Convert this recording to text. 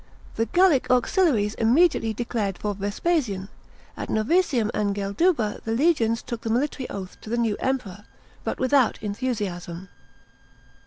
The GaLic auxiliaries immediately declared for Vespasian; at Novaesinm and Geldnba the legions took the military oath to the new Emperor, but without enthusiasm.